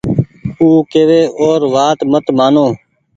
او ڪوي اور وآت مت مآنو